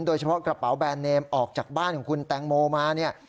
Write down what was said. โดยเฉพาะกระเป๋าแบรนดเนมออกจากบ้านของคุณแตงโมมาเนี่ย